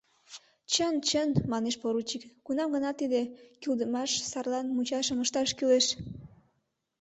— Чын, чын, — манеш поручик, — кунам-гынат тиде кӱлдымаш сарлан мучашым ышташ кӱлеш.